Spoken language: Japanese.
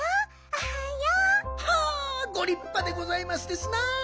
おはよう！はあごりっぱでございますですな。